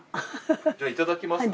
じゃあいただきますね。